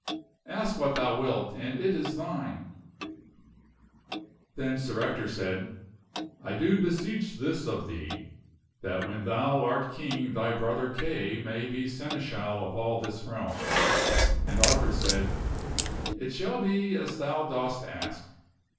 Ask what thou wilt and it is thine !" Then Sir Ector said, " I do craveth a boon beseech this of thee i that when thou art King thy brother of Arthur. Kay mav be Seneschal of all this realm." And Arthur said, ' It shall be as thou dost ask."